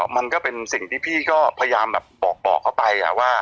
มันก็เป็นสิ่งที่พี่ก็พยายามบอกไป